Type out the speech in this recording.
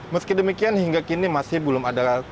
meski demikian hingga kini masih belum ada